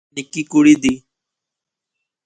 نکی کڑی دی